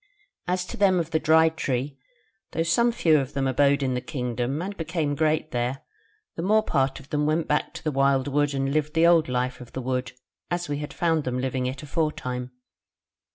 As to them of the Dry Tree, though some few of them abode in the kingdom, and became great there, the more part of them went back to the wildwood and lived the old life of the Wood, as we had found them living it aforetime.